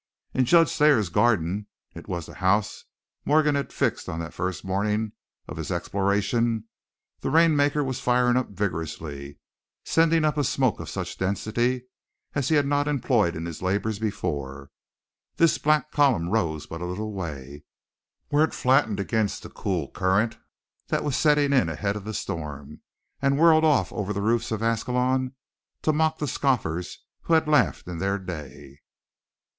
In Judge Thayer's garden it was the house Morgan had fixed on that first morning of his exploration the rainmaker was firing up vigorously, sending up a smoke of such density as he had not employed in his labors before. This black column rose but a little way, where it flattened against the cool current that was setting in ahead of the storm, and whirled off over the roofs of Ascalon to mock the scoffers who had laughed in their day.